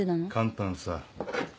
簡単さ。